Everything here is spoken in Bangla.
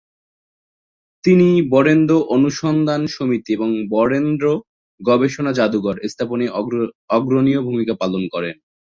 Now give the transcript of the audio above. তিনি ‘বরেন্দ্র অনুসন্ধান সমিতি’ এবং ‘বরেন্দ্র গবেষণা জাদুঘর’ স্থাপনে অগ্রনীয় ভূমিকা পালন করেন।